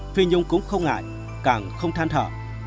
phi nhung cũng không ngại càng không than thở